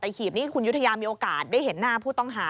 แต่หีบนี้คุณยุธยามีโอกาสได้เห็นหน้าผู้ต้องหา